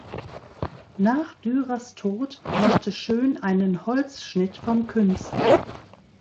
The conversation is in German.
Nach Dürers Tod machte Schön einen Holzschnitt vom Künstler.